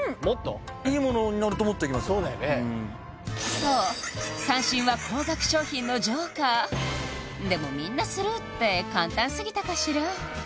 そう三線は高額商品のジョーカーでもみんなスルーって簡単すぎたかしら？